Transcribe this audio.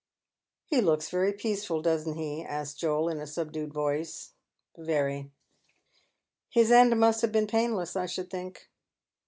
" He looks very peaceful, doesn't he ?" asks Joel, in a subdued voice. " Very." " His end must have been painless, I should think."